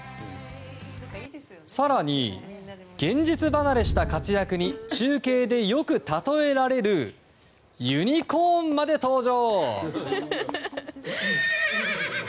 更に、現実離れした活躍に中継でよく例えられるユニコーンまで登場。